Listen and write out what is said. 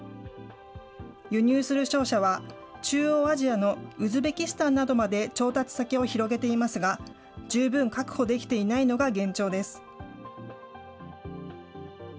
輸入する商社は、中央アジアのウズベキスタンなどまで調達先を広げていますが、十分確保できていないのが現状です。